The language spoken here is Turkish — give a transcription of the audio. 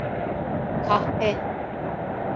Kahpe!